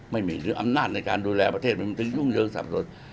ไม่มีอำนาจในการดูแลประเทศมันจึงยุ่งเยอะที่สับสน